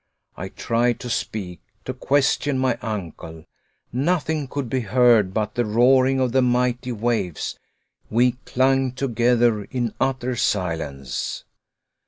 I tried to speak, to question my uncle. Nothing could be heard but the roaring of the mighty waves. We clung together in utter silence.